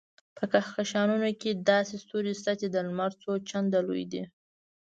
په کهکشانونو کې داسې ستوري شته چې د لمر څو چنده لوی دي.